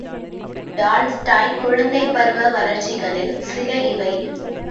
Tolstoy குழந்தைப் பருவ வளர்ச்சிகளில் சில இவை.